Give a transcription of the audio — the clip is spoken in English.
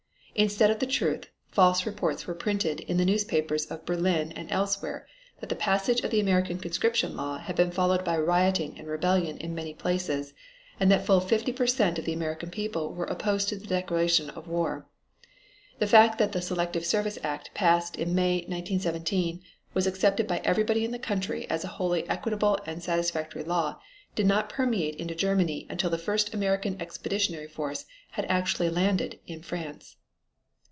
Instead of the truth, false reports were printed in the newspapers of Berlin and elsewhere that the passage of the American conscription law had been followed by rioting and rebellion in many places and that fully fifty per cent of the American people was opposed to the declaration of war. The fact that the selective service act passed in May, 1917, was accepted by everybody in this country as a wholly equitable and satisfactory law did not permeate into Germany until the first American Expeditionary Force had actually landed in France.